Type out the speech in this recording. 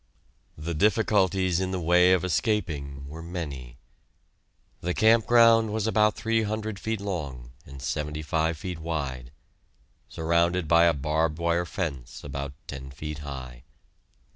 The difficulties in the way of escaping were many. The camp ground was about three hundred feet long and seventy five feet wide, surrounded by a barbed wire fence about ten feet high.